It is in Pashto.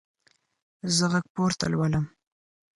زه غږ پورته لولم.